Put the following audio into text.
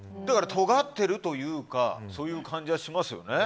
とがっているというかそういう感じはしますよね。